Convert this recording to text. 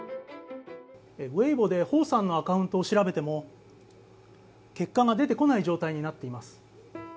Ｗｅｉｂｏで彭さんのアカウントを調べても結果が出てこない状態になっています。